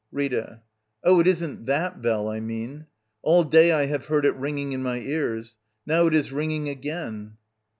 Rita. Oh, it isn't that bell I mean. All day I have heard it ringing in my ears. Now it is ring ing again!